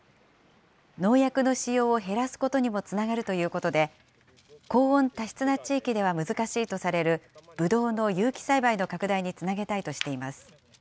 農薬の使用を減らすことにもつながるということで、高温多湿な地域では難しいとされる、ぶどうの有機栽培の拡大につなげたいとしています。